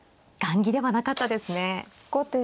雁木ではなかったですね。